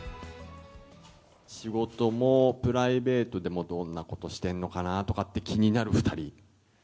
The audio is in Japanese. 仕事もプライベートでも、どんなことしてんのかなって気になる２人。